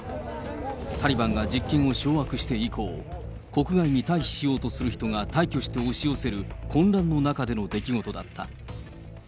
タリバンが実権を掌握して以降、国外に退避しようとする人が大挙して押し寄せる混乱の中での出来事だった。